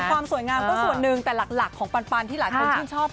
ความสวยงามก็ส่วนหนึ่งแต่หลักของปันที่หลายคนชื่นชอบ